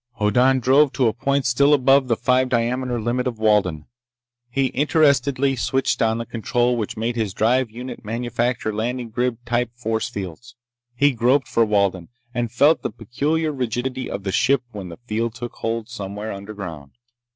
Hoddan drove to a point still above the five diameter limit of Walden. He interestedly switched on the control which made his drive unit manufacture landing grid type force fields. He groped for Walden, and felt the peculiar rigidity of the ship when the field took hold somewhere underground.